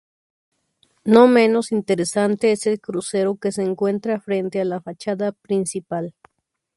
No menos interesante es el Crucero que se encuentra frente a la fachada principal.